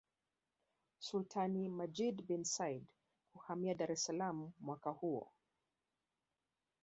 Sultani Majid bin Said kuhamia Dar es Salaam mwaka huo